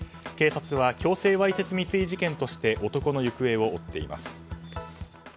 警察は強制わいせつ未遂事件として男の行方を追っています。